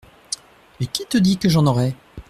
Et qui te dit que j'en aurais ?